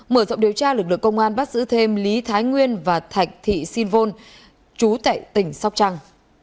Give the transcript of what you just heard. mở rộng điều tra lực lượng công an bắt giữ thêm lý thái nguyên và thạch thị sinh vôn chú tại tỉnh sóc trăng